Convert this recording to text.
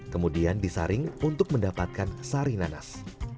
kemudian disaring untuk mendapatkan sari nanas